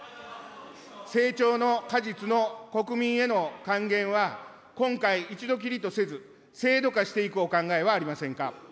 成長の果実の国民への還元は、今回一度きりとせず制度化していくお考えはありませんか。